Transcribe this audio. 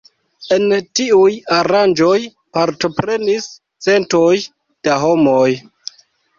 En tiuj aranĝoj partoprenis centoj da homoj.